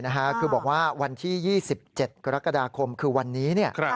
คือบอกว่าวันที่๒๗กรกฎาคมคือวันนี้